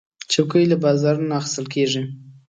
چوکۍ له بازارونو اخیستل کېږي.